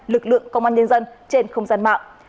lực lượng công an nhân dân trên không gian mạng